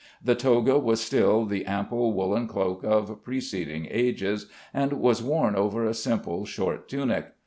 The toga was still the ample woollen cloak of preceding ages, and was worn over a simple short tunic.